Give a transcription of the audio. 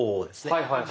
はいはいはい。